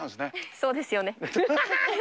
そうですよね？